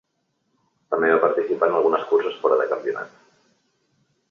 També va participar en algunes curses fora de campionat.